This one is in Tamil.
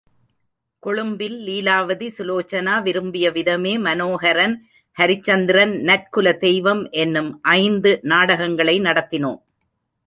கொழும்பில், லீலாவதி சுலோசனா, விரும்பியவிதமே, மனோஹரன், ஹரிச்சந்திரன், நற்குல தெய்வம் என்னும் ஐந்து நாடகங்களை நடத்தினோம்.